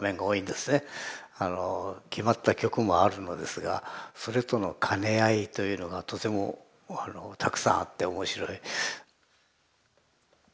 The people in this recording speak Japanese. あの決まった曲もあるのですがそれとの兼ね合いというのがとてもたくさんあって面白い。